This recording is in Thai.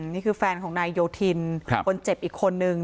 นี่คือแฟนของนายโยธินคนเจ็บอีกคนนึง